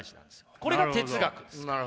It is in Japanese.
これが哲学です。